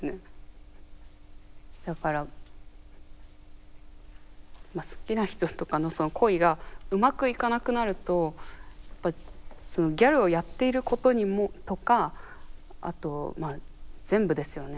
だから好きな人とかのその恋がうまくいかなくなるとそのギャルをやっていることとかあとまあ全部ですよね